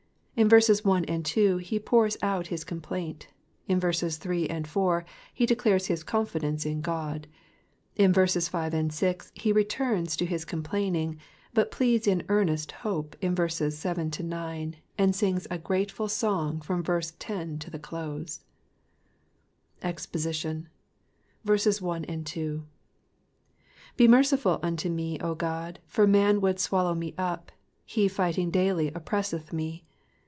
— In verses 1 and 2, he pours out his complaint ; in t)erses 3 and 4 he dedares his confidence in God ; in verses 5 and 6 he returns to his complaining, but pleads in earnest hope in verses 7 — 9, and sings a grateful song from verse 10 to the close, EXPOSITION. BE merciful unto me, O God : for man would swallow me up ; he fighting daily oppresseth me.